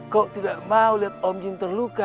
kau tidak mau lihat om jin terluka